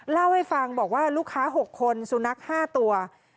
เล่าให้ฟังบอกว่าลูกค้า๖คนสุนัข๕ตัว